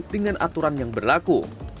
dengan aturan yang berlaku